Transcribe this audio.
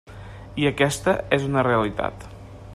I aquesta és una realitat.